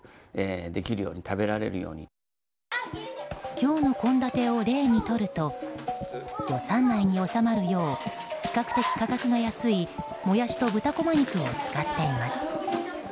今日の献立を例にとると予算内に収まるよう比較的価格が安いモヤシと豚こま肉を使っています。